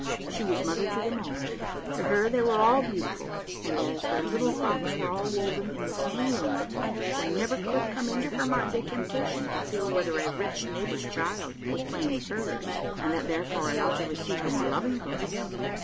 She was mother to them all ; to her they were all beautiful, and as their little frocks were all woven in the same loom, there never could come into her mind a temptation to feel whether a rich neigh bor's child was playing with hers, and that therefore it ought to receive a more loving caress.